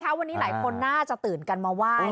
วันนี้หลายคนน่าจะตื่นกันมาไหว้